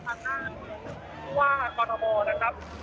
ทางหน้าเข้ามาที่วาคตมนะครับ